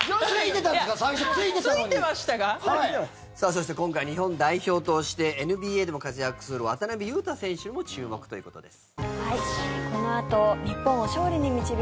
そして、今回日本代表としてＮＢＡでも活躍する渡邊雄太選手も注目ということです。